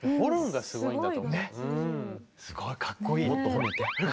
すごいかっこいい。